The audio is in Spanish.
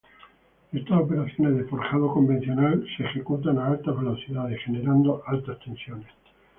Estas operaciones de forjado convencional son ejecutadas a altas velocidades, generando altas tensiones.